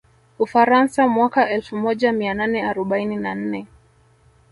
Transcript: Ufaransa mwaka elfu moja mia nane arobaini na nne